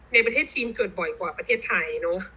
ในประเทศจีนเกิดบ่อยกว่าประเทศไทยเนอะ